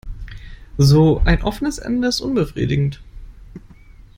So ein offenes Ende ist unbefriedigend.